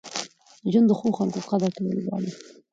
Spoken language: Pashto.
ژوند د ښو خلکو قدر کول غواړي.